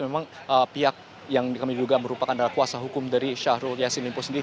memang pihak yang kami duga merupakan adalah kuasa hukum dari syahrul yassin limpo sendiri